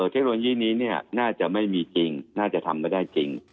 เทคโนโลยีนี้น่าจะไม่มีจริงน่าจะทำไม่ได้จริง